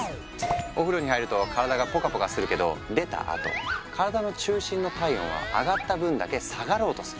お風呂に入ると体がぽかぽかするけど出たあと体の中心の体温は上がった分だけ下がろうとする。